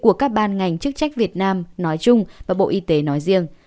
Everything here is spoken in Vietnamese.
của các ban ngành chức trách việt nam nói chung và bộ y tế nói riêng